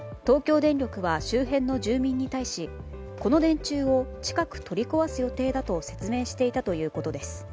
東京電力は周辺の住民に対しこの電柱を近く取り壊す予定だと説明していたということです。